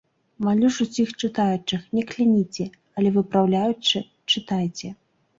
Малю ж усіх чытаючых, не кляніце, але выпраўляючы чытайце.